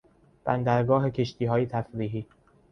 بندرگاه کشتیهای تفریحی